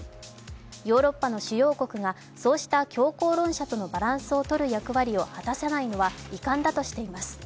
ヨーロッパの主要国がそうした強硬論者とのバランスをとる役割を果たさないのは遺憾だとしています。